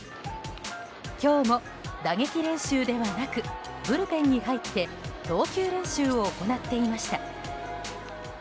今日も打撃練習ではなくブルペンに入って投球練習を行っていました。